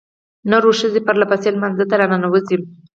نرو ښځې پرلپسې لمانځه ته راننوځي.